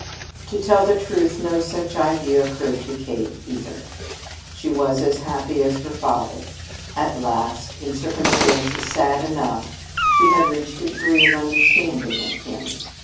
To tell the truth, no such idea occurred to Kate either. She was as happy as her father. At last, in circumstances sad enough, she had reached a degree of understanding with him.